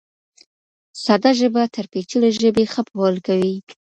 ساده ژبه تر پېچلې ژبې ښه پوهول کوي.